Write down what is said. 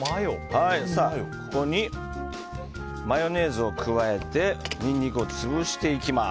ここにマヨネーズを加えてニンニクを潰していきます。